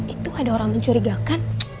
itu ada orang mencurigakan